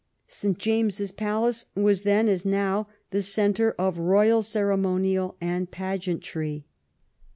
St. James's Palace was then, as now, the centre of royal ceremonial and pageantry.